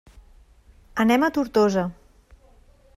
Anem a Tortosa.